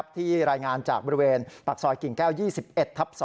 ที่รายงานจากบริเวณปากซอยกิ่งแก้ว๒๑ทับ๒